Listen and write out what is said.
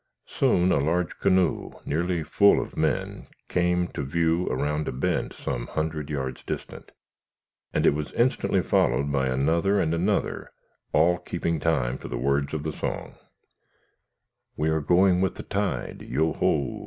Soon a large canoe, nearly full of men, came to view around a bend some hundred yards distant, and it was instantly followed by another and another, all keeping time to the words of the song: We are going with the tide, Yoho!